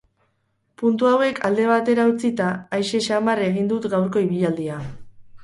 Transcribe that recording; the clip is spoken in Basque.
Puntu hauek alde batera utzita, aise samar egin dut gaurko ibilaldia.